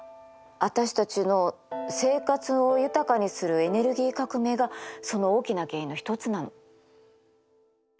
私たちの生活を豊かにするエネルギー革命がその大きな原因の一つなの。